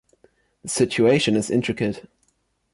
The situation is intricate.